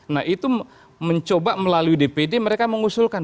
nah itu mencoba melalui dpd mereka mengusulkan